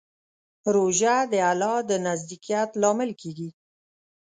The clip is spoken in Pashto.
روژه د الله د نزدېکت لامل کېږي.